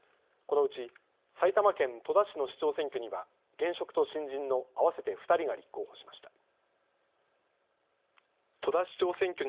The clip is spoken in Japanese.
このうち埼玉県戸田市の市長選挙には現職と新人の合わせて２人が立候補しました。